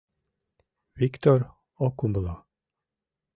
— Виктыр ок умыло.